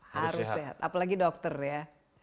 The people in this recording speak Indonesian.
harus sehat apalagi dokter ya